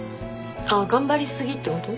あっ頑張りすぎってこと？